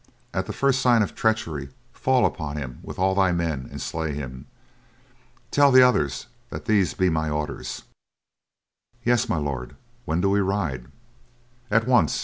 At the first sign of treachery, fall upon him with all thy men and slay him. Tell the others that these be my orders." "Yes, My Lord. When do we ride?" "At once.